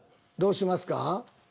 どうしますか？